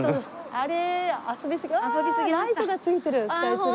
ああライトがついてるスカイツリー。